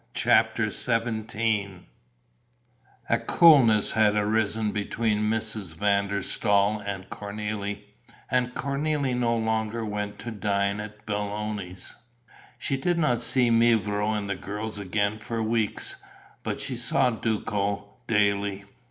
CHAPTER XVII A coolness had arisen between Mrs. van der Staal and Cornélie; and Cornélie no longer went to dine at Belloni's. She did not see mevrouw and the girls again for weeks; but she saw Duco daily.